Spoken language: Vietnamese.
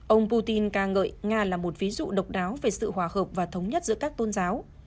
ông putin ca ngợi nga là một ví dụ độc đáo về sự hòa hợp và thống nhất giữa các tôn giáo